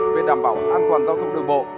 với đảm bảo an toàn giao thông đường bộ